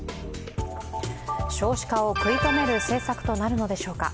少子化を食い止める政策となるのでしょうか。